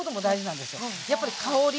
やっぱり香り。